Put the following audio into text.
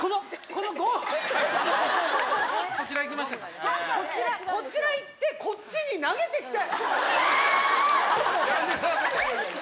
こちら、こちらいって、こっちに投げてきて。